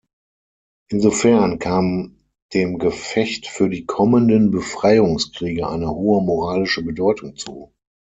Insofern kam dem Gefecht für die kommenden Befreiungskriege eine hohe moralische Bedeutung zu.